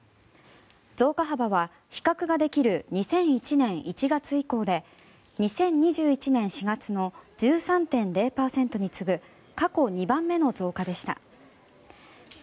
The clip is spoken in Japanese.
増加幅は比較ができる２００１年１月以降で２０２１年４月の１３．０％に次ぐ過去２番目の増加でした。